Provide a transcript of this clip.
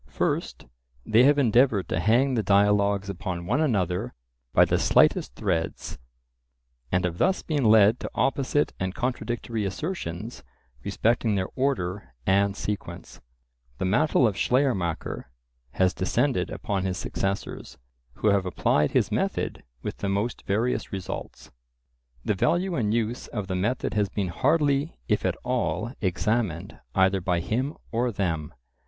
First, they have endeavoured to hang the dialogues upon one another by the slightest threads; and have thus been led to opposite and contradictory assertions respecting their order and sequence. The mantle of Schleiermacher has descended upon his successors, who have applied his method with the most various results. The value and use of the method has been hardly, if at all, examined either by him or them.